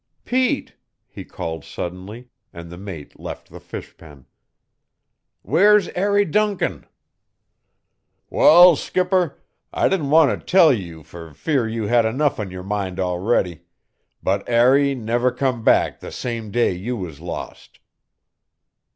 "Pete!" he called suddenly, and the mate left the fish pen. "Where's Arry Duncan?" "Wal, skipper, I didn't want to tell you fer fear you had enough on yer mind already, but Arry never come back the same day you was lost."